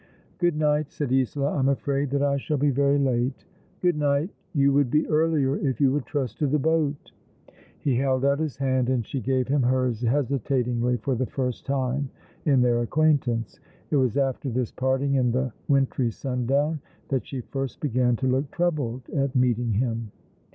"Good night," said Isola. "I'm afraid that I shall bo very late." " Good night. You would be earlier if you would trust to the boat." 36 Ail along the Rivei\ He held out his hand, and she gave him hers, hesitatingly for the first time in their acquaintance. It was after this jDarting in the wintry sundown that she first began to look troubled at meeting him.